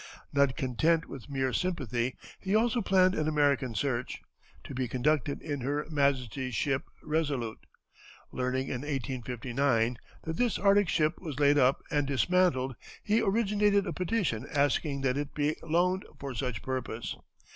Not content with mere sympathy he also planned an American search, to be conducted in Her Majesty's ship Resolute. Learning in 1859 that this Arctic ship was laid up and dismantled he originated a petition asking that it be loaned for such purpose.